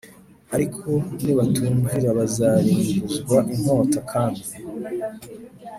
Ariko nibatumvira bazarimbuzwa inkota Kandi